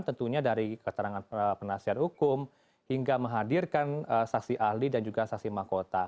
tentunya dari keterangan penasihat hukum hingga menghadirkan saksi ahli dan juga saksi mahkota